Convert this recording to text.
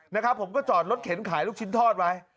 นะครับผมก็จอดรถเข็นขายลูกชิ้นทอดไว้